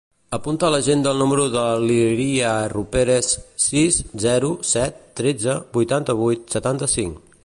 Apunta a l'agenda el número de l'Iria Ruperez: sis, zero, set, tretze, vuitanta-vuit, setanta-cinc.